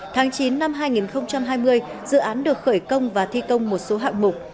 tháng chín năm hai nghìn hai mươi dự án được khởi công và thi công một số hạng mục